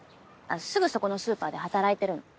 すぐそこのスーパーで働いてるの。